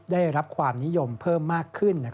ได้รับความนิยมเพิ่มมากขึ้น